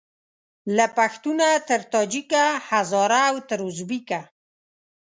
له پښتونه تر تاجیکه هزاره او تر اوزبیکه